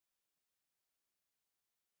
以重臣身份仕于松平氏。